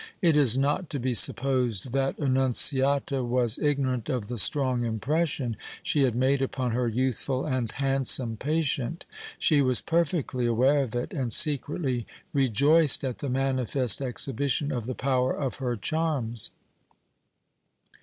It is not to be supposed that Annunziata was ignorant of the strong impression she had made upon her youthful and handsome patient. She was perfectly aware of it and secretly rejoiced at the manifest exhibition of the power of her charms.